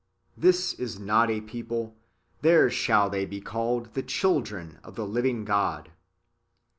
This is not a people, there shall they be called the children of the living God."